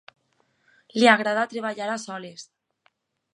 Li agrada treballar a soles.